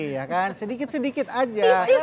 iya kan sedikit sedikit aja